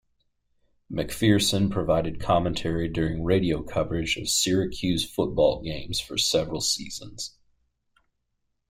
MacPherson provided commentary during radio coverage of Syracuse football games for several seasons.